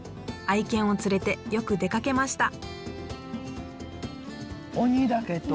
愛犬を連れてよく出かけました。